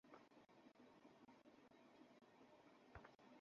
তবে যদি তা সত্যের বিপরীত হয় তবে অবশ্যই তা পরিত্যাজ্য।